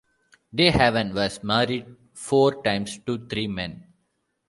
DeHaven was married four times to three men.